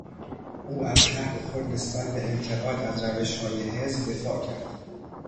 او از حق خود نسبت به انتقاد از روشهای حزب دفاع کرد.